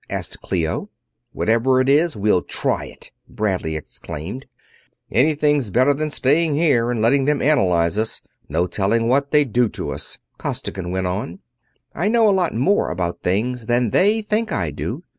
asked Clio. "Whatever it is, we'll try it!" Bradley exclaimed. "Anything's better than staying here and letting them analyze us no telling what they'd do to us," Costigan went on. "I know a lot more about things than they think I do.